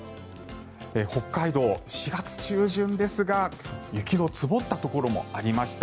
北海道、４月中旬ですが雪の積もったところもありました。